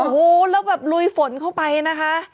โอ้โหแล้วแบบลุยฝนเข้าไปนะคะ